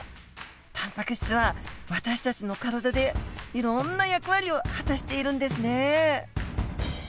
タンパク質は私たちの体でいろんな役割を果たしているんですね！